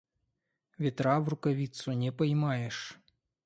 Ветра в рукавицу не поймаешь.